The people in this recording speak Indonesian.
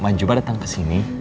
manjoba datang ke sini